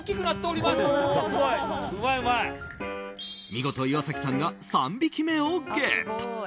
見事、岩崎さんが３匹目をゲット。